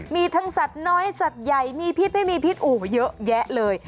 มีทั้งสัตว์น้อยสัตว์ใหญ่มีพิษไม่มีพิษอู่เยอะแยะเลย